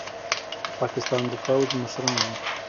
د پاکستان د پوځ مشرانو